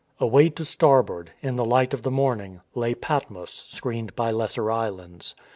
Away to starboard, in the light of the morning, lay Patmos screened by lesser islands.